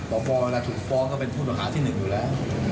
บอกว่าเวลาถูกฟ้องก็เป็นผู้ต่อขาดที่หนึ่งอยู่แล้ว